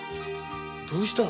どうした？？